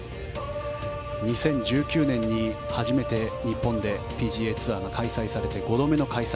２０１９年に初めて日本でＰＧＡツアーが開催されて５度目の開催